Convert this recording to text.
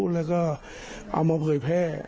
แล้วก็เอามาเผยแพร่